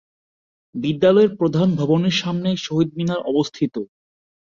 বিদ্যালয়ের প্রধান ভবনের সামনে শহীদ মিনার অবস্থিত।